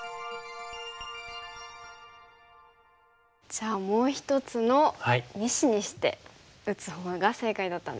じゃあもう一つの２子にして打つほうが正解だったんですね。